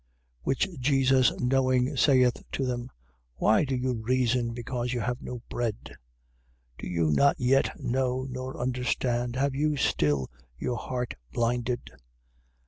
8:17. Which Jesus knowing, saith to them: Why do you reason, because you have no bread? Do you not yet know nor understand? Have you still your heart blinded?